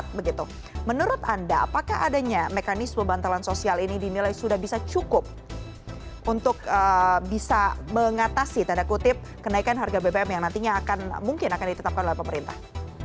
nah menurut anda apakah adanya mekanisme bantalan sosial ini dinilai sudah bisa cukup untuk bisa mengatasi tanda kutip kenaikan harga bbm yang nantinya akan mungkin akan ditetapkan oleh pemerintah